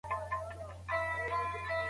څنګه د نورو بخښل زموږ ذهن له بار څخه خلاصوي؟